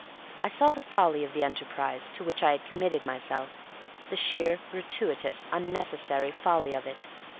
I saw the folly of the enterprise to which I had committed myself the sheer, gratuitous, unnecessary folly of it.